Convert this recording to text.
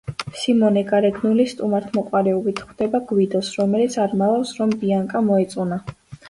სიმონე გარეგნული სტუმართმოყვარეობით ხვდება გვიდოს, რომელიც არ მალავს, რომ ბიანკა მოეწონა.